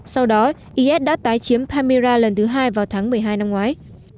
sau đó is đã tái chiếm panmira lần thứ hai